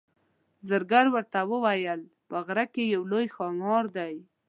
زرګر ورته وویل په غره کې یو لوی ښامار دی.